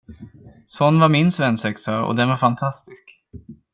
Sån var min svensexa och den var fantastisk.